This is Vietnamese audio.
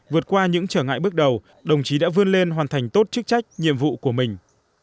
vượt qua những trở ngại bước đầu đồng chí đã vươn lên hoàn thành tốt chức trách nhiệm vụ của mình